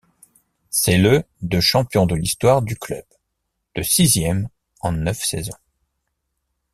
C'est le de champion de l'histoire du club, le sixième en neuf saisons.